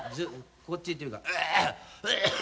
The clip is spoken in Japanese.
こっちいってみるか。